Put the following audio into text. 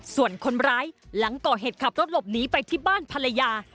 ส่วนคนร้ายหลังก่อเหตุขับรถหลบหนีไปที่บ้านภรรยา